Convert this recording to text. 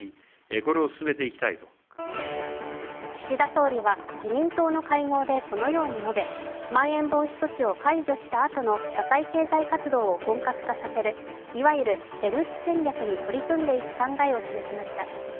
岸田総理は自民党の会合でこのように述べ、まん延防止措置を解除したあとの社会経済活動を本格化させるいわゆる出口戦略に取り組んでいく考えを示しました。